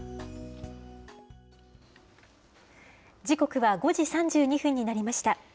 時刻は５時３２分になりました。